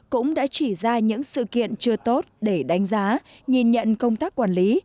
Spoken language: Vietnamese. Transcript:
cũng đã chỉ ra những sự kiện chưa tốt để đánh giá nhìn nhận công tác quản lý